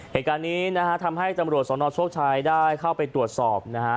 เหตุการณ์นี้นะฮะทำให้ตำรวจสนโชคชัยได้เข้าไปตรวจสอบนะฮะ